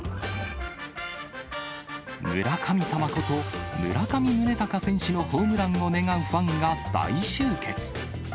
村神様こと村上宗隆選手のホームランを願うファンが大集結。